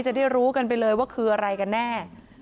จะได้รู้กันไปเลยว่าคืออะไรกันแน่